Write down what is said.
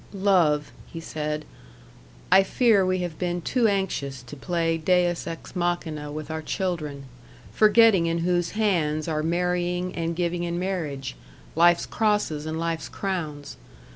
"Love," he said, "I fear we have been too anxious to play Deus ex machina with our children, forgetting in whose Hands are marrying and giving in marriage life's crosses and life's crowns.